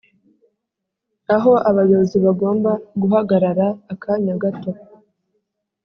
Aho abayobozi bagomba guhagarara akanya gato